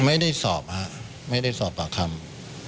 ไม่ได้สอบฮะไม่ได้สอบปากคำ